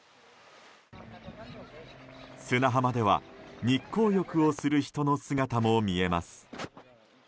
砂浜では、日光浴をする人の姿も見えます。